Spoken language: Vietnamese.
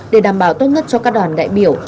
để đảm bảo tốt nhất cho các đoàn đại biểu